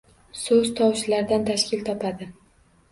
Soʻz tovushlardan tashkil topadi